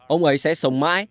ông ấy sẽ sống mãi